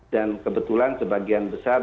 dan kebetulan sebagian besar